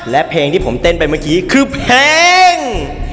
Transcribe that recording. และเพลงที่ผมเต้นไปเมื่อกี้คือเพลง